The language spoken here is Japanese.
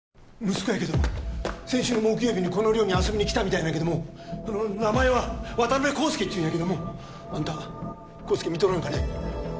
息子や先週の木曜日にこの寮に遊びにきたみたいなんやけども名前は渡辺康介っちゅうんやけどもあんた康介見とらんかね？